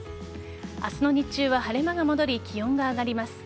明日の日中は晴れ間が戻り気温が上がります。